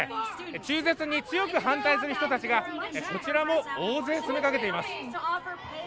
中絶に反対する人たちがこちらも詰めかけています